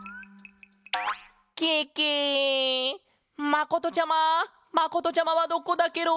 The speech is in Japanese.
まことちゃままことちゃまはどこだケロ？